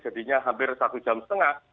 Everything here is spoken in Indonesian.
jadinya hampir satu jam setengah